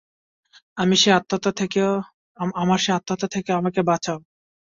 আমার সেই আত্মহত্যা থেকে আমাকে বাঁচাও।